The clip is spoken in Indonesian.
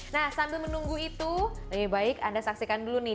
nah sambil menunggu itu lebih baik anda saksikan dulu nih